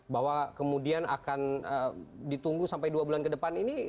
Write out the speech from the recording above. bahwa kemudian akan ditunggu sampai dua bulan kedepan ini